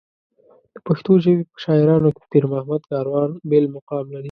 د پښتو ژبې په شاعرانو کې پېرمحمد کاروان بېل مقام لري.